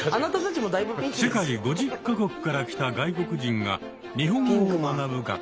世界５０か国から来た外国人が日本語を学ぶ学校です。